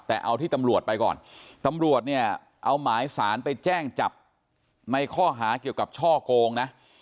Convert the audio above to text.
แต่เอาที่ตำรวจไปก่อนตำรวจเนี่ยเอาหมายสารไปแจ้งจับในข้อหาเกี่ยวกับช่อโกงนะ